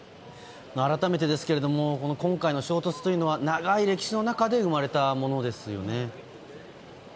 改めて、今回の衝突というのは長い歴史の中で生まれたものですよね。